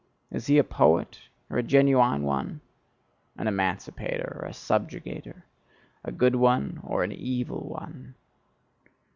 Is he a poet? Or a genuine one? An emancipator? Or a subjugator? A good one? Or an evil one?